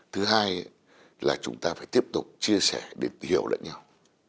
thứ hai là chúng ta phải tiếp tục chia sẻ để hiểu lẫn nhau